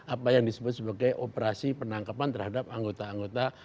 apa yang disebut sebagai operasi penangkapan terhadap anggota anggota